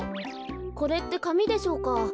これってかみでしょうか？